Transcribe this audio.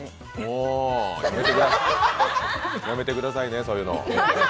ほー、やめてくださいね、そういうの。